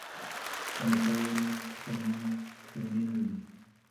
که مشوره وي نو پښیماني نه راځي.